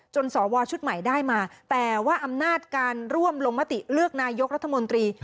สวชุดใหม่ได้มาแต่ว่าอำนาจการร่วมลงมติเลือกนายกรัฐมนตรี